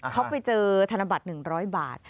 เขาไปเจอธรรมนาบัติ๑๐๐บาท